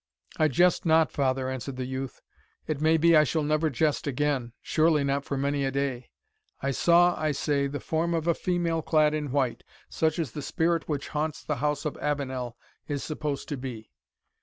"I jest not, father," answered the youth; "it may be I shall never jest again surely not for many a day. I saw, I say, the form of a female clad in white, such as the Spirit which haunts the house of Avenel is supposed to be.